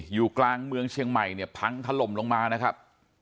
อยู่กลางเมืองเชียงใหม่เนี่ยพังถล่มลงมานะครับ